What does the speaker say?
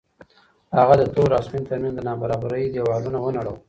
هغه د تور او سپین تر منځ د نابرابرۍ دېوالونه ونړول.